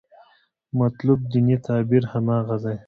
مطلوب دیني تعبیر هماغه دی.